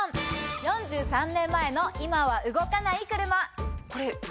４３年前の今は動かない車。